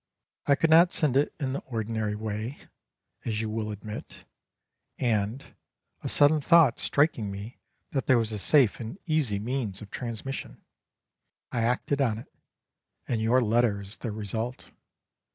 I could not send it in the ordinary way, as you will admit, and, a sudden thought striking me that there was a safe and easy means of transmission, I acted on it, and your letter is the result.